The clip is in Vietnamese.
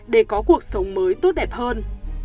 để có cuộc sống mới tốt đẹp hơn